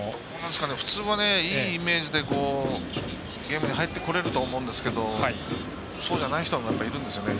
普通はいいイメージでゲームに入ってこれると思うんですがそうじゃない人もいるんですよね。